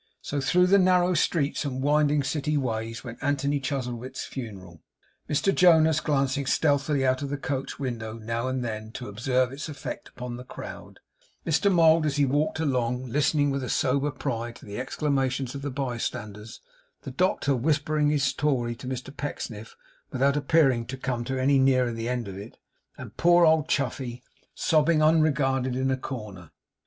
So through the narrow streets and winding city ways, went Anthony Chuzzlewit's funeral; Mr Jonas glancing stealthily out of the coach window now and then, to observe its effect upon the crowd; Mr Mould as he walked along, listening with a sober pride to the exclamations of the bystanders; the doctor whispering his story to Mr Pecksniff, without appearing to come any nearer the end of it; and poor old Chuffey sobbing unregarded in a corner.